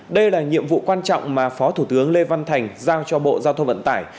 đây là nhiệm vụ quan trọng mà phó thủ tướng lê văn thành giao cho bộ giao thông vận tải